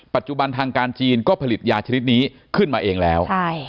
ปัจจุบันทางการจีนก็ผลิตยาชนิดนี้ขึ้นมาเองแล้ว